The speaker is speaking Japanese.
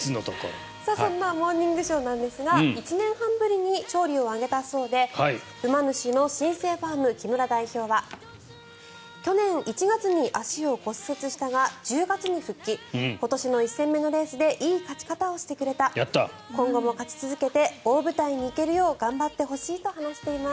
そんなモーニングショーなんですが１年半ぶりに勝利を挙げたそうで馬主の新生ファーム木村さんは去年１月に足を骨折したが１０月に復帰今年の１戦目のレースでいい勝ち方をしてくれた今後も勝ち続けて大舞台に行ってほしいと話しています。